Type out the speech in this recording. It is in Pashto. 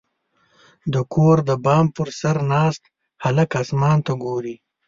• د کور د بام پر سر ناست هلک اسمان ته ګوري.